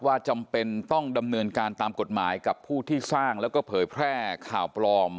จำเป็นต้องดำเนินการตามกฎหมายกับผู้ที่สร้างแล้วก็เผยแพร่ข่าวปลอม